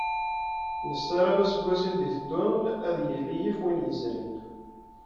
Nassaram aseggas i d-iteddun ad yili yif win yezrin.